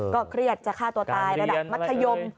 เครียดจะฆ่าตัวตายระดับมัธยม